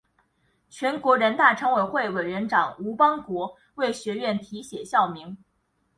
全国人大常委会委员长吴邦国为学院题写校名。